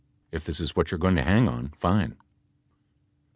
If this is what you are going to hang on, fine."